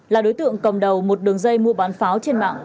là đối tượng cầm đầu một đường dây mua bán pháo trên mạng